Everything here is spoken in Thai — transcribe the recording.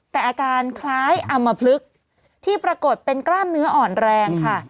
แต่อาการคล้ายอำมพลึกที่ปรากฏเป็นกล้ามเนื้ออ่อนแรงค่ะ